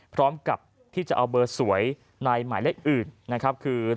พร้อมกับที่จะเอาเบอร์สวยใหม่ในหมายเลขอื่น